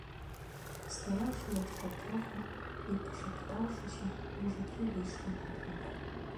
Пастаяўшы яшчэ троху і пашаптаўшыся, мужыкі выйшлі на двор.